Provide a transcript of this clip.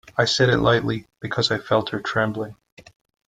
I said it lightly, because I felt her trembling.